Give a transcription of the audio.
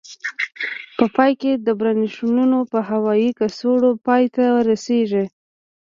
په پای کې برانشیولونه په هوایي کڅوړو پای ته رسيږي.